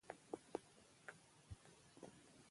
افغانستان کې د پامیر په اړه هر اړخیزه زده کړه کېږي.